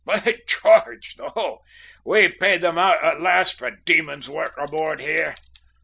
By George! Though, we've paid them out at last for demon's work aboard here!"